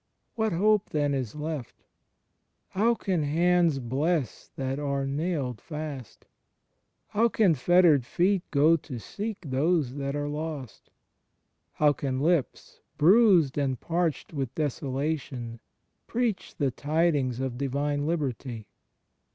What hope then is left? How can hands bless that are nailed fast? How can fettered feet go to seek those that are lost? How can lips, bruised and parched with desolation, preach the tidings of divine liberty?